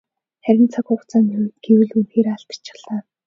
Харин цаг хугацааны хувьд гэвэл үнэхээр алдчихлаа.